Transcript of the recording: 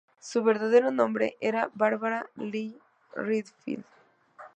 Su verdadero nombre era Barbara Lee Redfield.